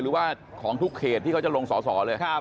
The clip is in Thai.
หรือว่าของทุกเขตที่เขาจะลงสอสอเลย